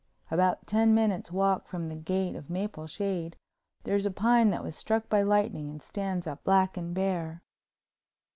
About ten minutes' walk from the gate of Mapleshade there's a pine that was struck by lightning and stands up black and bare.